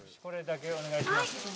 これだけお願いします。